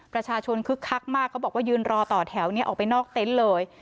คึกคักมากเขาบอกว่ายืนรอต่อแถวนี้ออกไปนอกเต็นต์เลย